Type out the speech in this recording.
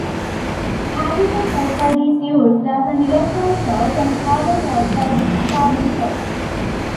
Hydrogen sulfide is used as an electron source and carbon dioxide its carbon source.